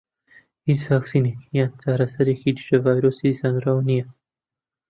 هیچ ڤاکسینێک یان چارەسەرێکی دژە ڤایرۆسی زانراو نیە.